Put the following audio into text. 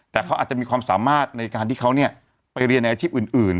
แต่เขาอาจจะมีความสามารถในการที่เขาไปเรียนในอาชีพอื่น